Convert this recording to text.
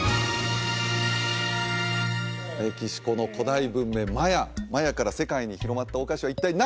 メキシコの古代文明マヤマヤから世界に広まったお菓子は一体何？